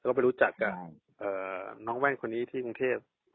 แล้วไปรู้จักกับน้องแว่นคนที่ตอนนั้นที่กรุงเทพส์ค่ะ